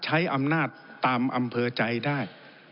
ใช้อำนาจตามอำเภอใจได้